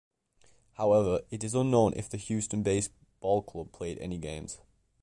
However, it is unknown if the Houston Base Ball Club played any games.